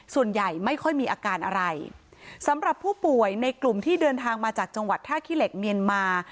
ส่วนใหญ่ไม่ค่อยมีอาการอะไรสำหรับผู้ป่วยในกลุ่มที่เดินทางมาจากจังหวัดท่าขี้เหล็กเมียนมา